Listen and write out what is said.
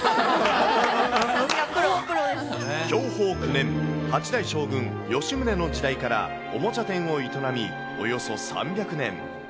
享保９年、８代将軍、吉宗の時代からおもちゃ店を営み、およそ３００年。